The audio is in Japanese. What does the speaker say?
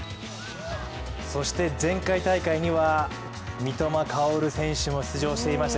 そして前回大会には三笘薫選手も出場していました。